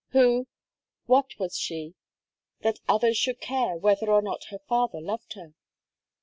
Who, what was she that others should care whether or not her father loved her!